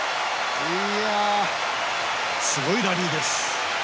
すごいラリーです。